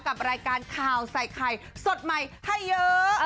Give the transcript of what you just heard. กับรายการข่าวใส่ไข่สดใหม่ให้เยอะ